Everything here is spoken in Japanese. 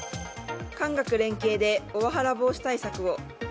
官学連携でオワハラ防止対策を。